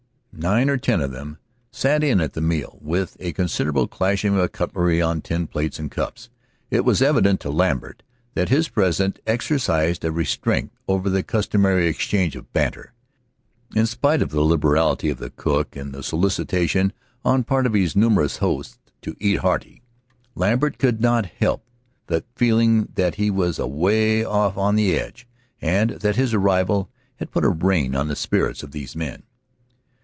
Nine or ten of them sat in at the meal, with a considerable clashing of cutlery on tin plates and cups. It was evident to Lambert that his presence exercised a restraint over their customary exchange of banter. In spite of the liberality of the cook, and the solicitation on part of his numerous hosts to "eat hearty," Lambert could not help the feeling that he was away off on the edge, and that his arrival had put a rein on the spirits of these men.